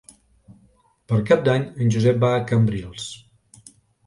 Per Cap d'Any en Josep va a Cambrils.